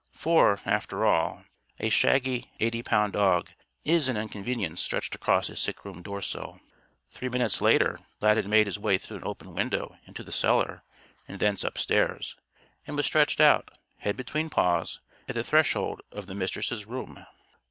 For, after all, a shaggy eighty pound dog is an inconvenience stretched across a sick room doorsill. Three minutes later, Lad had made his way through an open window into the cellar and thence upstairs; and was stretched out, head between paws, at the threshold of the Mistress' room.